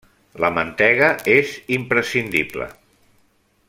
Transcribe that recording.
La mantega és imprescindible.